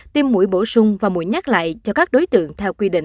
tiêm mũi bổ sung và mũi nhát lại cho các đối tượng theo quy định